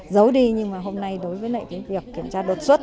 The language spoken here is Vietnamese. giấu đi nhưng hôm nay đối với việc kiểm tra đột xuất